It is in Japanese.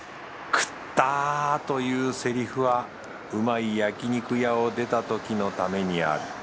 食ったぁ！というセリフはうまい焼き肉屋を出たときのためにある。